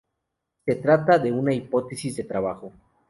Se trata de una hipótesis de trabajo.